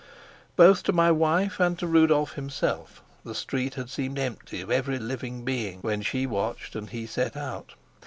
Both to my wife and to Rudolf himself the street had seemed empty of every living being when she watched and he set out.